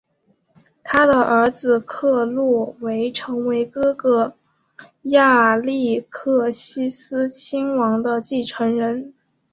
他的儿子克洛维成为哥哥亚历克西斯亲王的继承人。